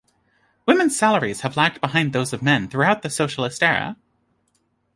Women's salaries have lagged behind those of men throughout the socialist era.